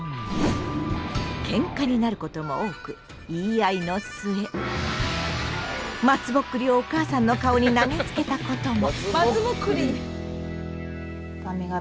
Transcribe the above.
ケンカになることも多く言い合いの末まつぼっくりをお母さんの顔に投げつけたことも！